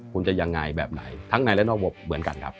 คุณจะยังไงแบบไหนทั้งในและนอกวงเหมือนกันครับ